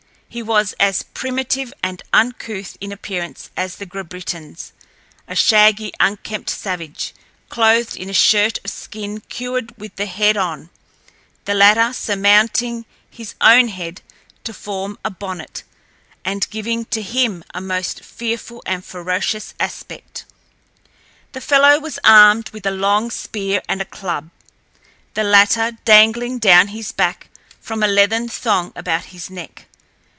He was as primitive and uncouth in appearance as the Grabritins—a shaggy, unkempt savage, clothed in a shirt of skin cured with the head on, the latter surmounting his own head to form a bonnet, and giving to him a most fearful and ferocious aspect. The fellow was armed with a long spear and a club, the latter dangling down his back from a leathern thong about his neck.